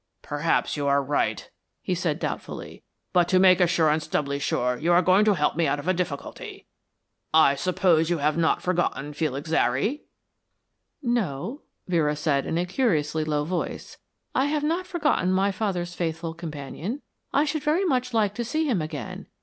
"Perhaps you are right," he said doubtfully. "But to make assurance doubly sure you are going to help me out of a difficulty. I suppose you have not forgotten Felix Zary?" "No," Vera said, in a curiously low voice. "I have not forgotten my father's faithful companion. I should very much like to see him again.